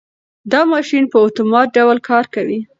دا ماشین په اتومات ډول کار کوي.